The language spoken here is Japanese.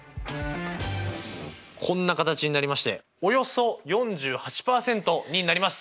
こんな形になりましておよそ４８％になります。